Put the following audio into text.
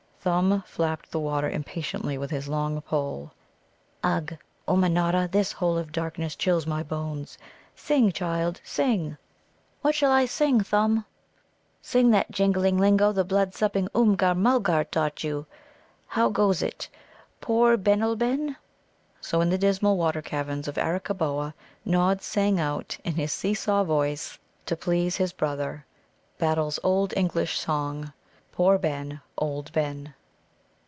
Thumb flapped the water impatiently with his long pole. "Ugh, Ummanodda, this hole of darkness chills my bones. Sing, child, sing!" "What shall I sing, Thumb?" "Sing that jingling lingo the blood supping Oomgar mulgar taught you. How goes it? 'Pore Benoleben.'" So in the dismal water caverns of Arakkaboa Nod sang out in his seesaw voice, to please his brother, Battle's old English song, "Poor Ben, old Ben."